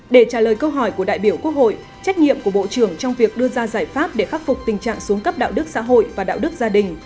để trả lời câu hỏi của đại biểu quốc hội trách nhiệm của bộ trưởng trong việc đưa ra giải pháp để khắc phục tình trạng xuống cấp đạo đức xã hội và đạo đức gia đình